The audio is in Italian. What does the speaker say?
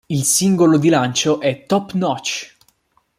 Il singolo di lancio è "Top Notch".